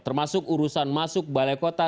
termasuk urusan masuk balai kota